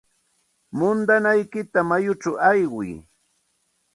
Muudanaykita mayuchaw aywiy.